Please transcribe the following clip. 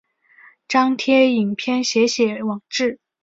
张贴影片写写网志